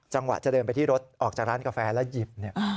จังหวะจะเดินไปที่รถออกจากร้านกาแฟแล้วหยิบ